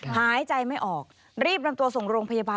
หายใจไม่ออกรีบนำตัวส่งโรงพยาบาล